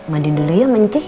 mandi dulu ya mancis